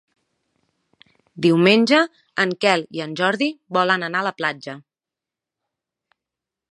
Diumenge en Quel i en Jordi volen anar a la platja.